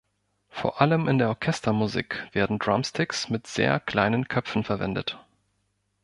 Vor allem in der Orchestermusik werden Drumsticks mit sehr kleinen Köpfen verwendet.